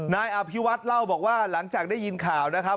นายอภิวัฒน์เล่าบอกว่าหลังจากได้ยินข่าวนะครับ